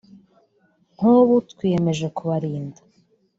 nk’ ubu twiyemeje kubarinda